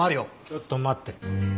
ちょっと待って。